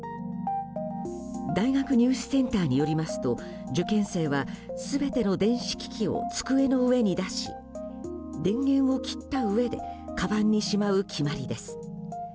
大学入試センターによりますと受験生は全ての電子機器を机の上に出し電源を切ったうえでかばんにしまう決まりです。